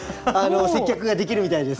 接客ができるみたいです。